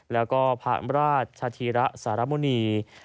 แล้วก็พระอำราชฌาธิระสารมณี